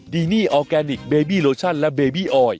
ดีนี่ออร์แกนิคเบบี้โลชั่นและเบบี้ออย